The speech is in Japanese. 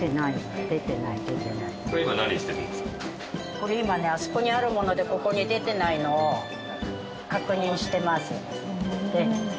これ今ねあそこにあるものでここに出てないのを確認してます。